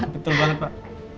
betul banget pak